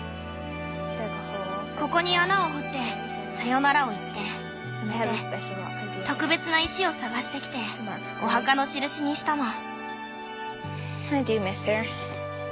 ここに穴を掘ってさよならを言って埋めて特別な石を探してきてお墓の印にしたの。